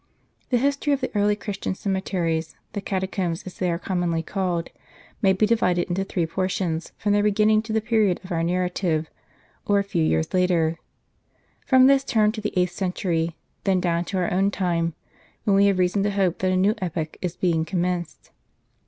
The history of the early Christian cemeteries, the Cata combs as they are commonly called, may be divided into three portions : from their beginning to the period of our narrative, or a few years later ; from this term to the eighth century ; then down to our own time, when we have reason to hope that a new epoch is being commenced.